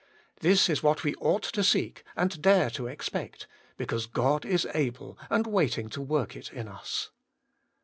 This is what we ought to seek and dare to expect, because God is able and waiting to work it in us.